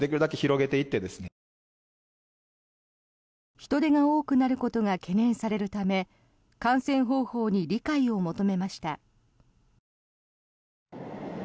人出が多くなることが懸念されるため観戦方法に理解を求めました。